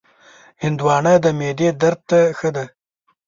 هندوانه د معدې درد ته ښه ده.